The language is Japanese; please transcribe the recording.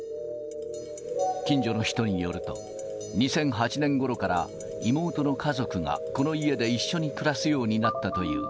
近所の人によると、２００８年ごろから妹の家族がこの家で一緒に暮らすようになったという。